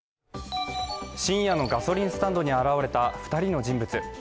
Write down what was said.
深夜のガソリンスタンドに現れた２人の人物。